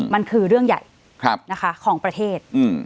มันคือเรื่องใหญ่ของประเทศ